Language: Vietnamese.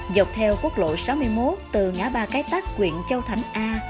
dọc theo quốc lộ sáu mươi một từ ngã ba cái tác quyện châu thánh a